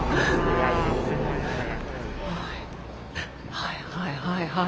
はいはいはいはい。